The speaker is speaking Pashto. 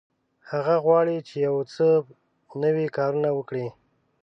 هغه غواړي چې یو څه نوي کارونه وکړي.